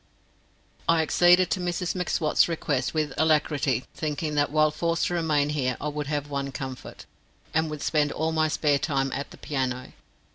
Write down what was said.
I acceded to Mrs M'Swat's request with alacrity, thinking that while forced to remain there I would have one comfort, and would spend all my spare time at the piano.